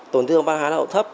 tổn thương van hai lá hậu thấp